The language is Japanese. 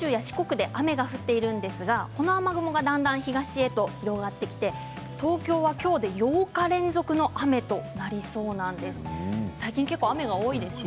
けさは九州や四国で雨が降っているんですがこの雨雲がだんだん東へと広がってきて東京はきょうで８日連続の雨となりそうなんです。